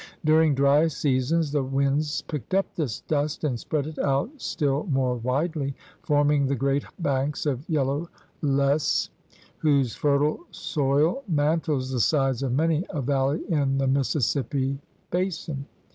During dry seasons the winds picked up this dust and spread it out still more widely, forming the great banks of yellow loess whose fertile soil mantles the sides of many a valley in the Mississippi basin.